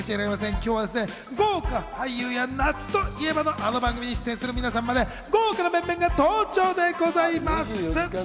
今日は豪華俳優や夏といえばのあの番組に出演する皆さまで豪華な面々が登場でございます。